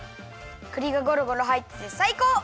くりがゴロゴロはいっててさいこう！